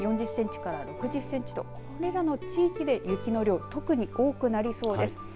４０センチから６０センチとこれらの地域で雪の量特に多くなりそうです。